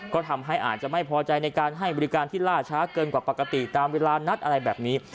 ก็ทำให้อาจจะไม่พอใจในการให้บริการที่ล่าช้าเกินกว่าปกติตามเวลานัดอะไรแบบนี้